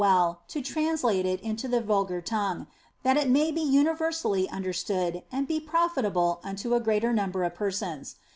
well to translate it into the vulgar tongue, that it may be universally understood and be profitable unto a greater number of persons.